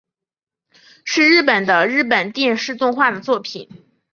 是日本的日本电视动画的作品。